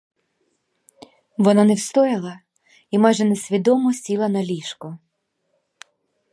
Вона не встояла і майже несвідомо сіла на ліжко.